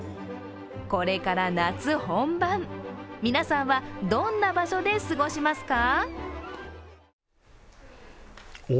これから夏本番、皆さんは、どんな場所で過ごしますか？